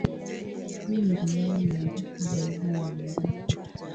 Hii ni riwaya maarufu zaidi ya mwandishi.